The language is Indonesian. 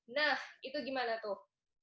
nah itu gimana tuh